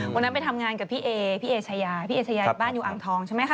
วันนั้นไปทำงานกับพี่เอพี่เอชายาพี่เอชายาอยู่บ้านอยู่อ่างทองใช่ไหมคะ